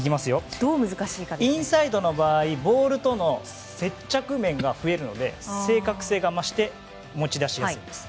インサイドの場合ボールとの接着面が増えるので、正確性が増して持ち出しやすいんです。